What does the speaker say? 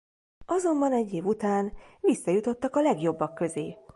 Azonban egy év után visszajutottak a legjobbak közé.